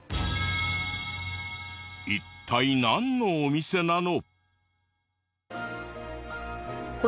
一体なんのお店なの？